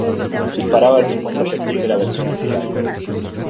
Disparaba el mismo proyectil que la versión antitanque.